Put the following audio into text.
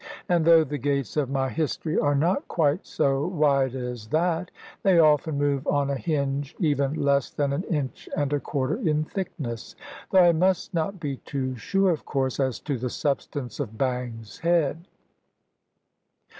And though the gates of my history are not quite so wide as that, they often move on a hinge even less than an inch and a quarter in thickness; though I must not be too sure, of course, as to the substance of Bang's head.